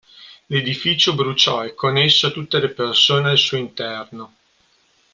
L'edificio bruciò, e con esso tutte le persone al suo interno.